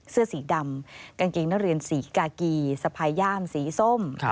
เสื้อสีดำกางเกงนักเรียนสีกากีสะพายย่ามสีส้ม